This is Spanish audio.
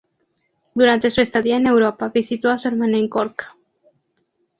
Durante su estadía en Europa visitó a su hermana en Cork.